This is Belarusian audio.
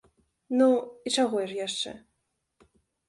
Ну, і чаго ж яшчэ.